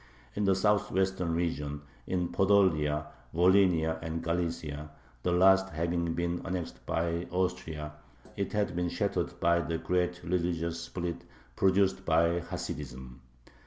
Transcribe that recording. In the southwestern region, in Podolia, Volhynia, and Galicia, the last having been annexed by Austria, it had been shattered by the great religious split produced by Hasidism.